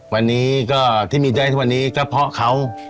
วันนี้ก็ที่มีใจให้ทุกวันนี้ก็เพราะเขา